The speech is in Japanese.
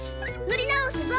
塗り直すぞ！